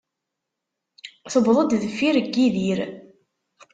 Tewweḍ-d deffir n Yidir.